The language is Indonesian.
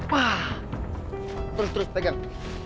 wah terus terus pegang